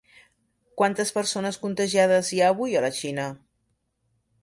Quantes persones contagiades hi ha avui a la Xina?